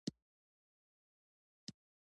افغانستان د هرات له پلوه متنوع ولایت دی.